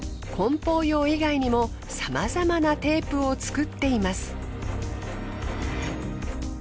梱包用以外にもさまざまなテープを作っています。